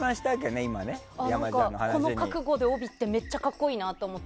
この覚悟で帯ってめっちゃ格好いいなと思って。